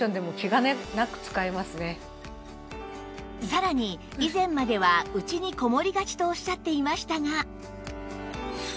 さらに以前までは家にこもりがちとおっしゃっていましたがっていう感じです。